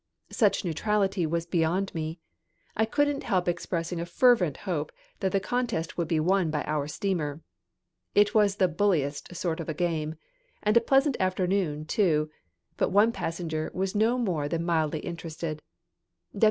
Such neutrality was beyond me. I couldn't help expressing a fervent hope that the contest would be won by our steamer. It was the bulliest sort of a game, and a pleasant afternoon, too, but one passenger was no more than mildly interested.